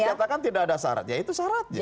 dikatakan tidak ada syarat ya itu syarat